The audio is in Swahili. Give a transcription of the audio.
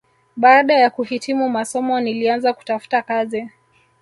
Baada ya kuhitimu masomo nilianza kutafuta kazi